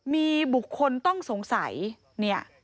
มีบุคคลต้องสงสัยเนี่ย